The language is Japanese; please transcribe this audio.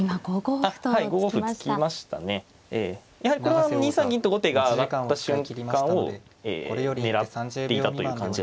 やはりこれは２三銀と後手が上がった瞬間を狙っていたという感じがしますね。